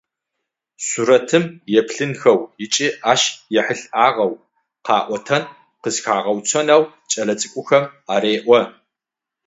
Сурэтым еплъынхэу ыкӏи ащ ехьылӏагъэу къэӏотэн къызэхагъэуцонэу кӏэлэцӏыкӏухэм ареӏо.